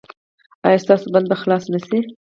ایا ستاسو بند به خلاص نه شي؟